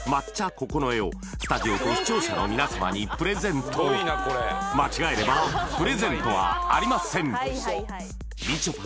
九重をスタジオと視聴者の皆様にプレゼント間違えればプレゼントはありません